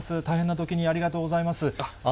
大変なときにありがとうございます。